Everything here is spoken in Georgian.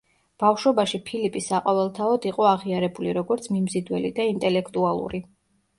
ბავშვობაში ფილიპი საყოველთაოდ იყო აღიარებული როგორც მიმზიდველი და ინტელექტუალური.